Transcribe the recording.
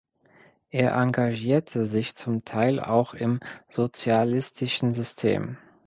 Er engagierte sich zum Teil auch im sozialistischen System.